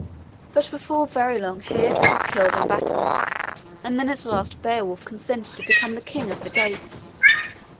But before very long Heardred was killed in battle, and then at last Beowulf consented to become king of the Geats.